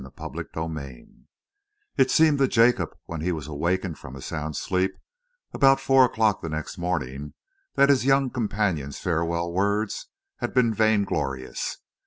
CHAPTER XXVII It seemed to Jacob, when he was awakened from a sound sleep about four o'clock the next morning, that his young companion's farewell words had been vainglorious.